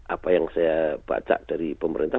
apa yang saya baca dari pemerintah